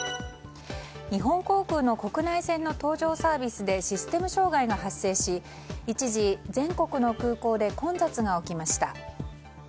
日本航空の国内線の搭乗サービスでシステム障害が発生し、一時全国の空港で混雑が起きました。